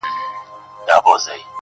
حالات چي سوزوي، ستا په لمن کي جانانه